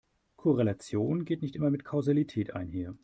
Korrelation geht nicht immer mit Kausalität einher.